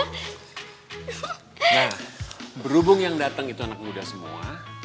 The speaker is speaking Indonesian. nah berhubung yang datang itu anak muda semua